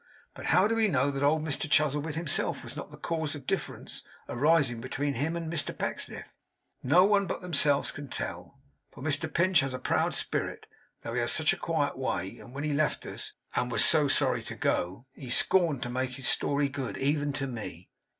But how do we know that old Mr Chuzzlewit himself was not the cause of difference arising between him and Mr Pecksniff? No one but themselves can tell; for Mr Pinch has a proud spirit, though he has such a quiet way; and when he left us, and was so sorry to go, he scorned to make his story good, even to me.